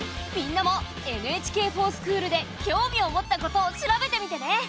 みんなも「ＮＨＫｆｏｒＳｃｈｏｏｌ」で興味を持ったことを調べてみてね。